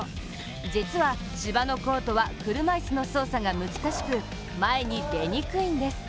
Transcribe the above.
実は、芝のコートは車椅子の操作が難しく前に出にくいんです。